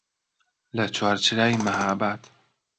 لە چوارچرای مەهاباد